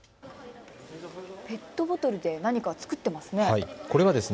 ペットボトルで何か作ってますね。